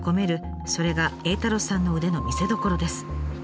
それが栄太郎さんの腕の見せどころです。